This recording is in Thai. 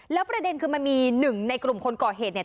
แล้วประเด็นคือมันมีหนึ่งในกลุ่มคนก่อเหตุเนี่ย